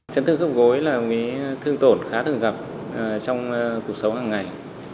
trấn thương khớp gối là một cái thương tổn khá thường gặp trong cuộc sống hàng ngày